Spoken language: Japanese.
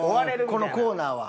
このコーナーは。